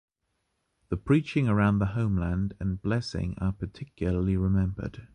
The preaching about the homeland and blessing are particularly remembered.